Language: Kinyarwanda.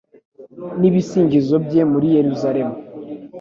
n’ibisingizo bye muri Yeruzalemu